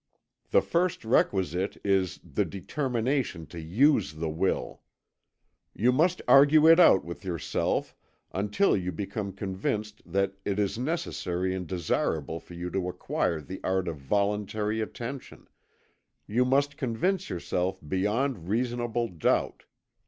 The first requisite is the determination to use the will. You must argue it out with yourself, until you become convinced that it is necessary and desirable for you to acquire the art of voluntary attention you must convince yourself beyond reasonable doubt.